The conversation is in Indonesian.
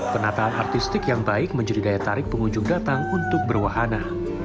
penataan artistik yang baik menjadi daya tarik pengunjung datang untuk berwahana